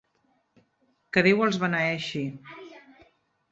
Que Déu els beneeixi.